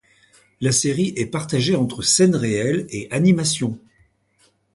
La série est partagée entre scènes réelles et animations.